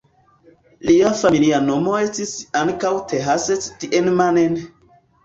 Lia familia nomo estis ankaŭ "Thass-Thienemann".